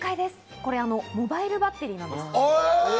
これ、モバイルバッテリーなんです。